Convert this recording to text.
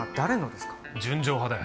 『純情派』だよ！